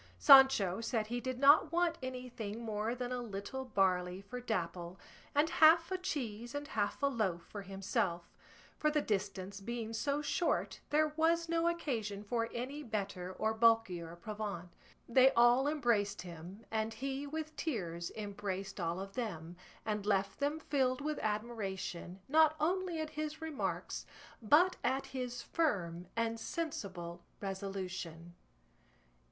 Sancho said he did not want anything more than a little barley for Dapple, and half a cheese and half a loaf for himself; for the distance being so short there was no occasion for any better or bulkier provant. They all embraced him, and he with tears embraced all of them, and left them filled with admiration not only at his remarks but at his firm and sensible resolution.